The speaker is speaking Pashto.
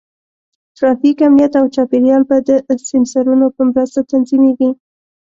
ټرافیک، امنیت، او چاپېریال به د سینسرونو په مرسته تنظیمېږي.